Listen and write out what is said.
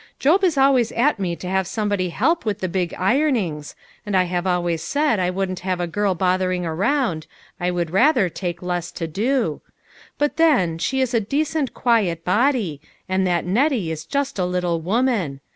Job is al ways at me to have somebody help with the big ironings, and I have always said I wouldn't have a girl bothering around, I would rather take less to do. But then, she is a decent quiet body, and that Nettie is just a little woman.